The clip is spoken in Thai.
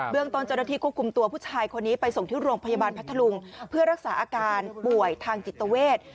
เรื่องต้นเจ้าหน้าที่ควบคุมตัวผู้ชายคนนี้ไปส่งที่โรงพยาบาลพัทธลุงเพื่อรักษาอาการป่วยทางจิตเวท